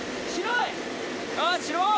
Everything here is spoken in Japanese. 白い！